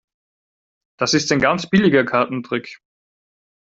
Das ist ein ganz billiger Kartentrick.